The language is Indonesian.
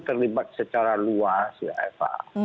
terlibat secara luas ya eva